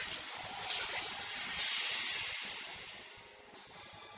kamu udah kunci pintu di depan kan marni